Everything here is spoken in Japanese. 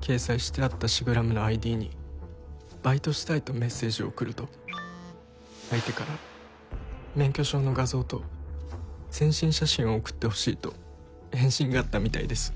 掲載してあったシグラムのＩＤにバイトしたいとメッセージを送ると相手から免許証の画像と全身写真を送ってほしいと返信があったみたいです。